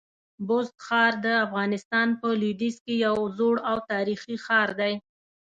بست ښار د افغانستان په لودیځ کي یو زوړ او تاریخي ښار دی.